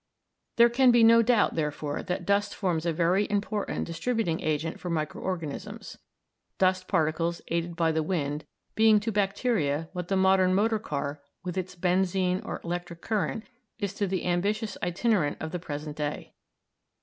There can be no doubt, therefore, that dust forms a very important distributing agent for micro organisms, dust particles, aided by the wind, being to bacteria what the modern motor car, with its benzine or electric current, is to the ambitious itinerant of the present day.